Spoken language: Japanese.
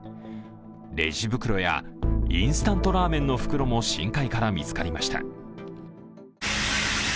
レジ袋やインスタントラーメンの袋も深海から見つかりました。